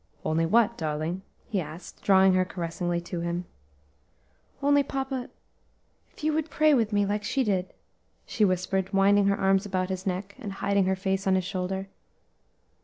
"Only what, darling?" he asked, drawing her caressingly to him. "Only, papa, if you would pray with me, like she did," she whispered, winding her arms about his neck, and hiding her face on his shoulder.